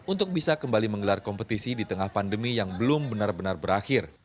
untuk bisa kembali menggelar kompetisi di tengah pandemi yang belum benar benar berakhir